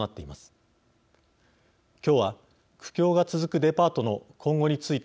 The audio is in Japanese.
今日は苦境が続くデパートの今後について考えます。